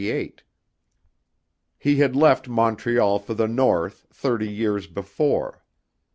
He had left Montreal for the North thirty years before.